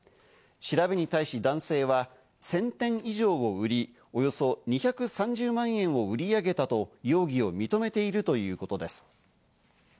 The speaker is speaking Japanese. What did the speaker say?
調べに対し男性は１０００点以上を売り、およそ２３０万円を売り上げたと容疑を認めているということです。